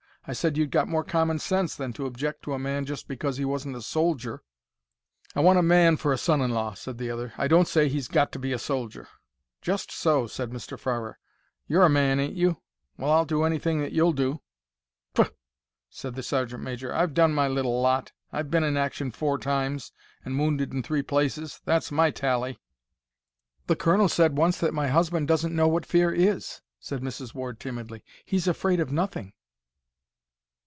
I said you'd got more common sense than to object to a man just because he wasn't a soldier." "I want a man for a son in law," said the other. "I don't say he's got to be a soldier." "Just so," said Mr. Farrer. "You're a man, ain't you? Well, I'll do anything that you'll do." "Pph!" said the sergeant major. "I've done my little lot. I've been in action four times, and wounded in three places. That's my tally." "The colonel said once that my husband doesn't know what fear is," said Mrs. Ward, timidly. "He's afraid of nothing."